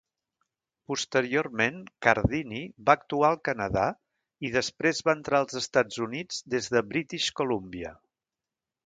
Posteriorment, Cardini va actuar al Canadà i després va entrar als Estats Units des de British Columbia.